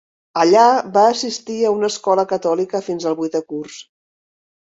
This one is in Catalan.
Allà va assistir a una escola catòlica fins al vuitè curs.